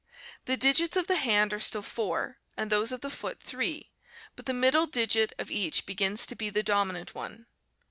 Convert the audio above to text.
The digits of the hand are still four and those of the foot three, but the middle digit of each begins to be the dominant one.